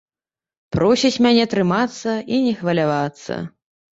Просіць мяне трымацца і не хвалявацца.